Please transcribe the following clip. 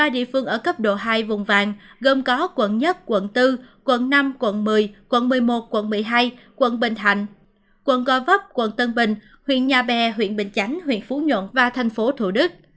ba địa phương ở cấp độ hai vùng vàng gồm có quận một quận bốn quận năm quận một mươi quận một mươi một quận một mươi hai quận bình thạnh quận gò vấp quận tân bình huyện nhà bè huyện bình chánh huyện phú nhuận và thành phố thủ đức